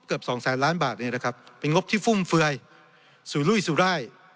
เกือบสองแสนล้านบาทนี้นะครับเป็นงบที่ฟุ่มเฟือยสูรุ่ยสูร่าย